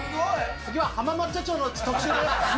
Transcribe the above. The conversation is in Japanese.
次は浜まっちゃ町の特集です。